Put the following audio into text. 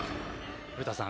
古田さん